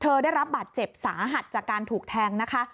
ได้รับบาดเจ็บสาหัสจากการถูกแทงนะคะ